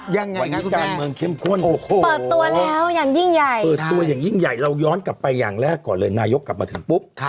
ยังไงครับคุณแม่เปิดตัวแล้วยังยิ่งใหญ่เราย้อนกลับไปอย่างแรกก่อนเลยนายกกลับมาถึงปุ๊บ